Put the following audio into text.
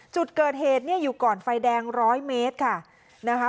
จุดเกิดเหตุเนี่ยอยู่ก่อนไฟแดงร้อยเมตรค่ะนะคะ